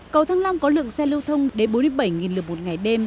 cầu thăng long có lượng xe lưu thông đến bốn mươi bảy lượt một ngày đêm